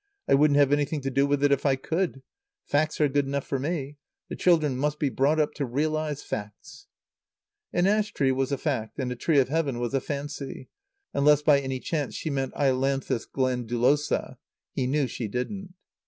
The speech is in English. "I wouldn't have anything to do with it if I could. Facts are good enough for me. The children must be brought up to realize facts." An ash tree was a fact and a tree of Heaven was a fancy; unless by any chance she meant ailanthus glandulosa. (He knew she didn't.)